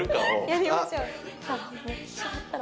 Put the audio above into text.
やりましょう。